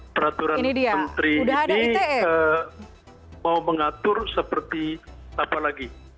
peraturan menteri ini mau mengatur seperti apa lagi